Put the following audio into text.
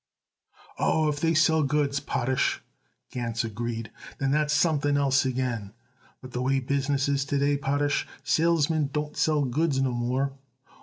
"Oh, if they sell goods, Potash," Gans agreed, "then that's something else again. But the way business is to day, Potash, salesmen don't sell goods no more.